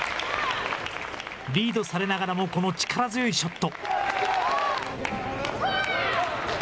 リードされながらも、この力強いショット。